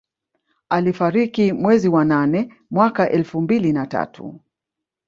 Alifariki mwezi wa nane mwaka elfu mbili na tatu